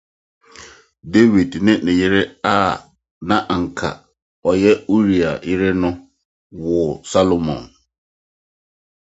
He picked it up, put it in his mouth, and sat down.